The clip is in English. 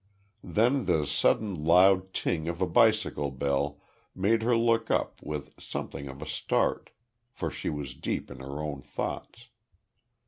Then the sudden loud ting of a bicycle bell made her look up with something of a start, for she was deep in her own thoughts.